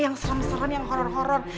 yang serem serem yang horor horor